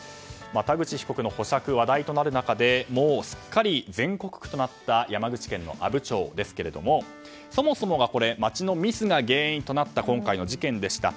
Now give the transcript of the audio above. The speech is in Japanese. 田口被告の保釈、話題となる中でもうすっかり全国区となった山口県の阿武町ですけれどもそもそも町のミスが原因となった今回の事件でした。